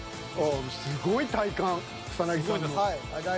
すごい体幹草さんの。